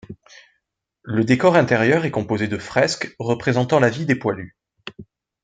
Le décor intérieur est composé de fresques représentant la vie des Poilus.